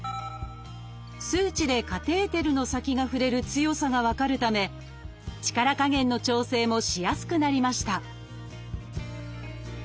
数値でカテーテルの先が触れる強さが分かるため力加減の調整もしやすくなりました